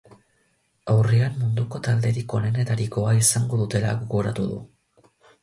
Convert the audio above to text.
Aurrean munduko talderik onenetarikoa izango dutela gogoratu du.